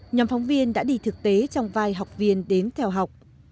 nhóm phóng viên đã đi thực tế trong vai học viên đến theo học